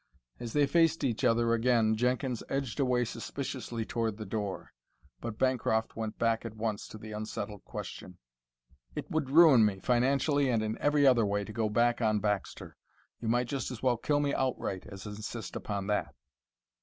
As they faced each other again Jenkins edged away suspiciously toward the door; but Bancroft went back at once to the unsettled question. "It would ruin me, financially and in every other way, to go back on Baxter. You might just as well kill me outright as insist upon that."